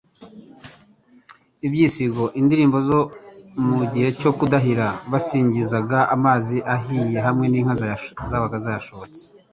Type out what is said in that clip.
Mu byisigo : indirimbo zo mu gihe cyo kudahira. Basingizaga amazi ahiye hamwe n'inka zabaga zayashotse.